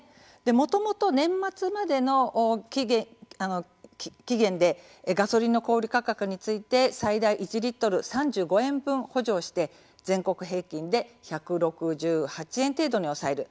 もともと年末までの期限でガソリンの小売価格について最大１リットル３５円分補助をして全国平均で１６８円程度に抑える。